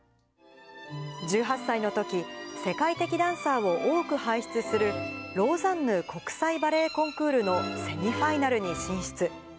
１８歳のとき、世界的ダンサーを多く輩出するローザンヌ国際バレエコンクールのセミファイナルに進出。